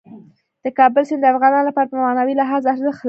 د کابل سیند د افغانانو لپاره په معنوي لحاظ ارزښت لري.